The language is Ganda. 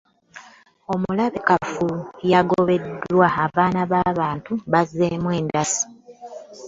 Omulabe Kafulu yagobebwa, abaana b'abantu bazzeemu endasi.